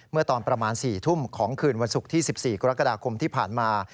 เมื่อตอนประมาณ๔ทุ่มของคืนวันศุกร์ที่๑๔กรกฎาคมที่ผ่านมา